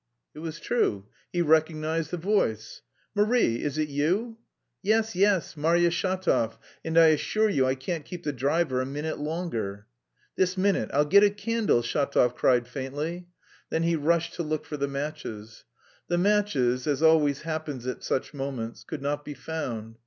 It was true: he recognised the voice! "Marie!... Is it you?" "Yes, yes, Marya Shatov, and I assure you I can't keep the driver a minute longer." "This minute... I'll get a candle," Shatov cried faintly. Then he rushed to look for the matches. The matches, as always happens at such moments, could not be found.